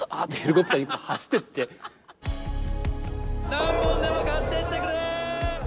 何本でも買ってってくれ。